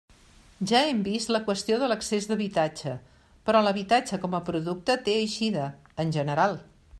Ja hem vist la qüestió de l'excés d'habitatge, però l'habitatge com a producte té eixida, en general.